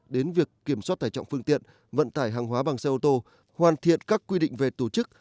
đến việc kiểm soát tải trọng phương tiện vận tải hàng hóa bằng xe ô tô hoàn thiện các quy định về tổ chức